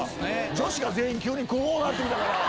女子が全員急にこうなってきたから。